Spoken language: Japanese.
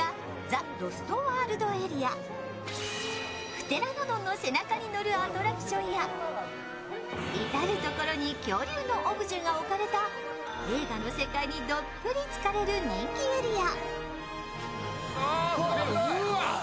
プテラノドンの背中に乗るアトラクションや至る所に恐竜のオブジェが置かれた、映画の世界にどっぷりつかれる人気エリア。